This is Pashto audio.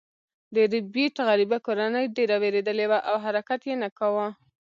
د ربیټ غریبه کورنۍ ډیره ویریدلې وه او حرکت یې نه کاوه